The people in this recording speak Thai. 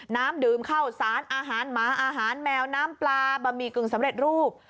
น้ำดื่มเข้าสารอาหารหมาอาหารแมวน้ำปลาบะหมี่กึ่งสำเร็จรูป